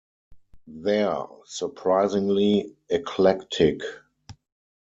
They're surprisingly 'eclectic.